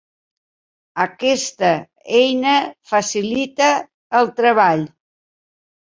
Aquesta eina facilita el treball.